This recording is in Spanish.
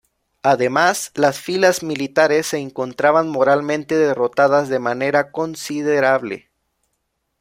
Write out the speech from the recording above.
Además, las filas militares se encontraban moralmente derrotadas de manera considerable.